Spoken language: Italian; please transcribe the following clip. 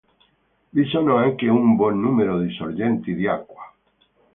Vi sono anche un buon numero di sorgenti di acqua.